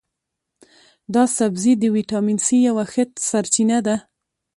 دا سبزی د ویټامین سي یوه ښه سرچینه ده.